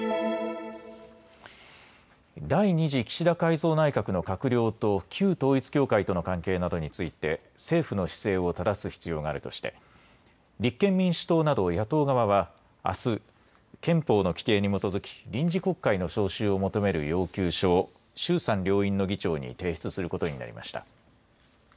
第２次岸田改造内閣の閣僚と旧統一教会との関係などについて、政府の姿勢をただす必要があるとして、立憲民主党など野党側は、あす、憲法の規定に基づき、臨時国会の召集を求める要求書を、衆参両院の議長に提出することになりました。